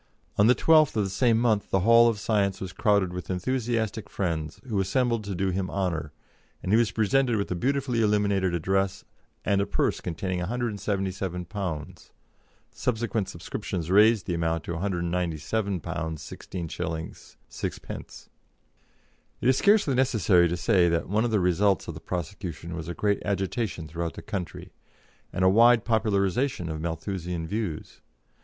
On the 12th of the same month the Hall of Science was crowded with enthusiastic friends, who assembled to do him honour, and he was presented with a beautifully illuminated address and a purse containing £177 (subsequent subscriptions raised the amount to £197 16s. 6d.). It is scarcely necessary to say that one of the results of the prosecution was a great agitation throughout the country, and a wide popularisation of Malthusian views.